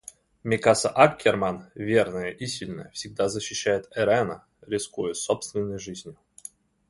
Микаса Аккерман, верная и сильная, всегда защищает Эрена, рискуя собственной жизнью.